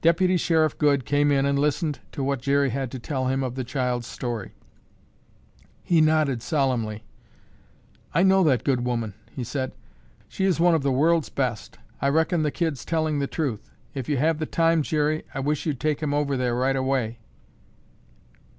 Deputy Sheriff Goode came in and listened to what Jerry had to tell him of the child's story. He nodded solemnly. "I know that good woman," he said; "she is one of the world's best. I reckon the kid's telling the truth. If you have the time, Jerry, I wish you'd take him over there right away."